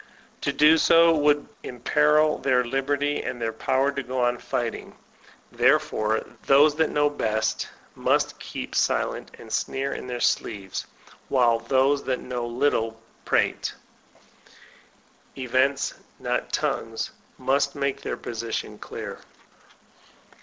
To do so would imperil their liberty, and their power to go on fighting. Therefore those that know best must keep silent, and sneer in their sleeves, while those that know little prate. Events, not tongues, must make their position clear.